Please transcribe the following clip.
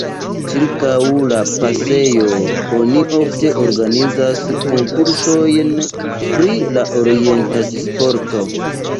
Ĉirkaŭ la pasejo oni ofte organizas konkursojn pri la orientiĝ-sporto.